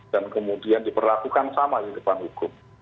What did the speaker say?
dan kemudian diperlakukan sama di depan hukum